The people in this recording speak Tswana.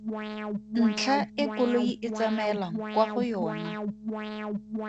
Ntlha e koloi e tsamaelang kwa go yona.